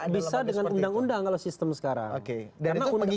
bisa dengan undang undang kalau sistem sekarang